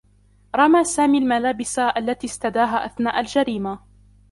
رمى سامي الملابس التي استداها أثناء الجريمة.